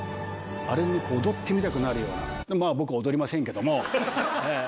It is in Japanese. ある意味、踊ってみたくなるような、でもまあ、僕、踊りませんけれども。